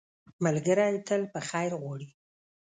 ملګری تل په خیر غواړي